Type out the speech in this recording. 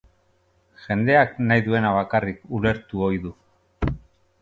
Jendeak nahi duena bakarrik ulertu ohi du.